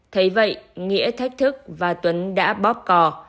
thấy vậy nghĩa thách thức và tuấn đã bóp cò